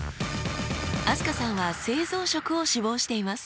飛鳥さんは製造職を志望しています。